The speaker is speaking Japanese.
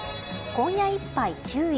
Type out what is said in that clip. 今夜いっぱい注意。